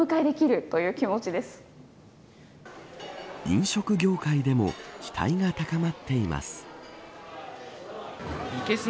飲食業界でも期待が高まっています。